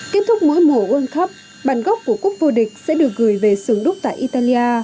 kết thúc mỗi mùa world cup bản gốc của cúc vô địch sẽ được gửi về sườn đúc tại italia